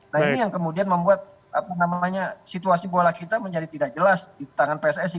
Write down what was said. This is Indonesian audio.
nah ini yang kemudian membuat situasi bola kita menjadi tidak jelas di tangan pssi